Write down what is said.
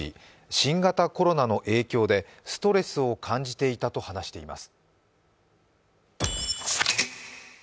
新型コロナの影響でストレスを感じていたと話しています。